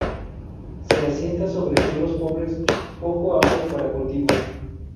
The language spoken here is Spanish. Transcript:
Se asienta sobre suelos pobres, poco aptos para cultivo.